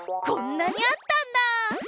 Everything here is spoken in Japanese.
こんなにあったんだ！